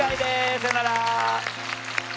さよなら。